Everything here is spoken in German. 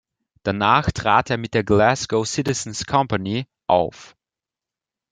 Danach trat er mit der Glasgow Citizens Company auf.